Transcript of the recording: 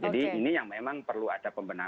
jadi ini memang perlu ada pembenahan